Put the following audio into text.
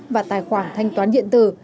và tài khoản thanh toán điện tử